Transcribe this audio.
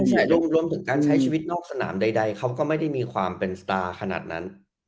ใช่รวมถึงการใช้ชีวิตนอกสนามใดเขาก็ไม่ได้มีความเป็นสตาร์ขนาดนั้น